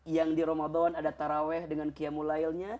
yang di ramadan ada taraweh dengan kiamulailnya